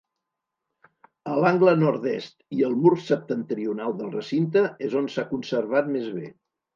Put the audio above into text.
A l'angle nord-est i al mur septentrional del recinte és on s'ha conservat més bé.